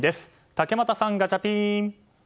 竹俣さん、ガチャピン！